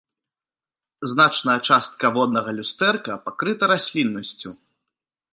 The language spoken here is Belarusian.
Значная частка воднага люстэрка пакрыта расліннасцю.